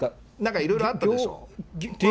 いろいろあったでしょ。